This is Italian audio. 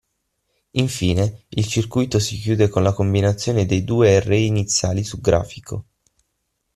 Infine, il circuito si chiude con la combinazione dei due array iniziali su grafico.